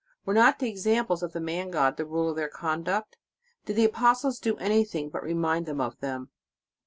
Were not the examples of the Man God the rule of their conduct? Did the apostles do anything else but remind ;hem of them?